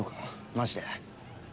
マジで。